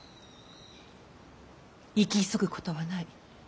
生き急ぐことはない。